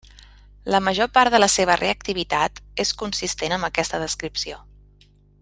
La major part de la seva reactivitat és consistent amb aquesta descripció.